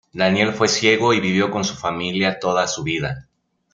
Daniel fue ciego y vivió con su familia toda su vida.